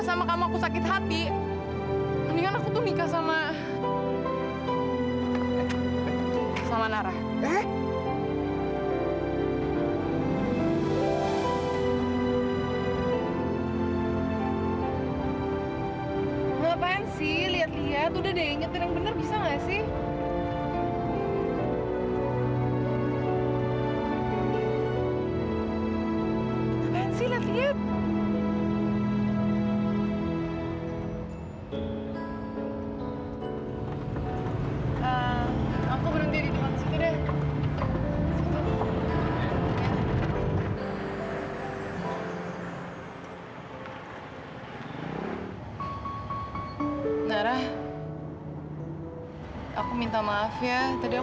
sampai jumpa di video selanjutnya